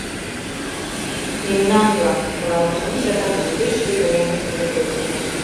«Мемнан-влак!» — шоналтыш Миша да мӧҥгеш шке вынемышкыже пӧртыльӧ.